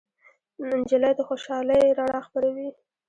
نجلۍ د خوشالۍ رڼا خپروي.